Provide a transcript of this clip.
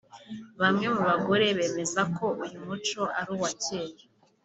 Bamwe mu bagore bemeza ko uyu muco ari uwa cyera